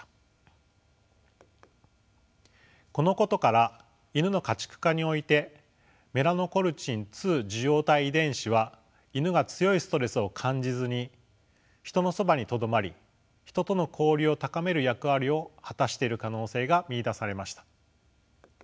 このことからイヌの家畜化においてメラノコルチン２受容体遺伝子はイヌが強いストレスを感じずにヒトのそばにとどまりヒトとの交流を高める役割を果たしている可能性が見いだされました。